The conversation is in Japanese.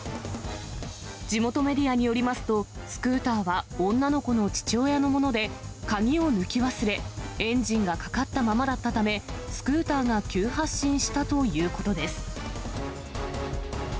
地元メディアによりますと、スクーターは女の子の父親のもので、鍵を抜き忘れ、エンジンがかかったままだったため、スクーターが急発進したということです。